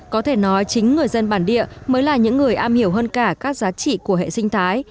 có thể nói chính người dân bản địa mới là những người am hiểu hơn cả các giá trị của hệ sinh thái